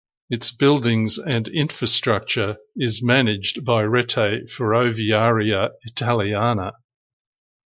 Its buildings and infrastructure is managed by Rete Ferroviaria Italiana.